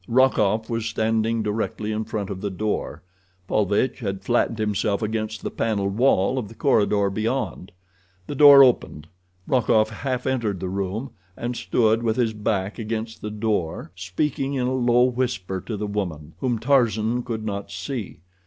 Rokoff was standing directly in front of the door. Paulvitch had flattened himself against the paneled wall of the corridor beyond. The door opened. Rokoff half entered the room, and stood with his back against the door, speaking in a low whisper to the woman, whom Tarzan could not see.